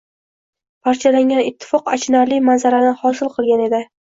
Parchalangan «ittifoq» achinarli manzarani hosil qilgan edi